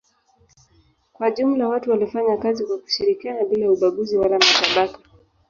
Kwa jumla watu walifanya kazi kwa kushirikiana bila ubaguzi wala matabaka.